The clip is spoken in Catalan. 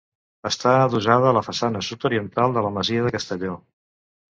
Està adossada a la façana sud-oriental de la masia de Castelló.